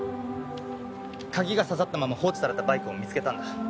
鍵が差さったまま放置されたバイクを見つけたんだ。